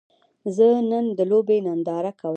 زه نن د لوبې ننداره کوم